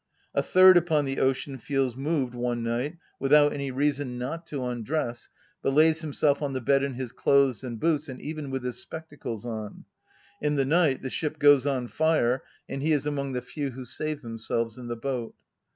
A third upon the ocean feels moved one night, without any reason, not to undress, but lays himself on the bed in his clothes and boots, and even with his spectacles on;—in the night the ship goes on fire, and he is among the few who save themselves in the boat.